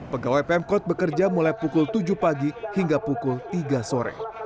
pegawai pemkot bekerja mulai pukul tujuh pagi hingga pukul tiga sore